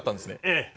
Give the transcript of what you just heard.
ええ。